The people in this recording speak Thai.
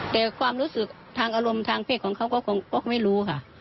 แต่ความรู้สึกทางอารมณ์ทางเพศของเขาก็ไม่รู้ค่ะ